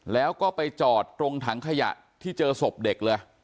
แล้วก็ไปจอดตรงถังขยะที่เจอศพเด็กเลย